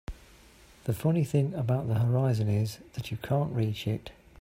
The funny thing about the horizon is that you can't reach it.